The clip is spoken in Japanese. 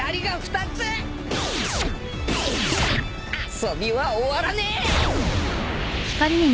遊びは終わらねえ！